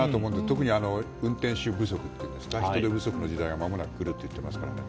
特に運転手不足というんですか人手不足の時代がまもなく来るって言ってますから。